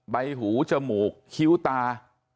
ใบหูจมูกคิ้วตา